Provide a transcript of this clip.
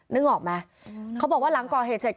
นึกออกไหมเขาบอกว่าหลังก่อเหตุเสร็จ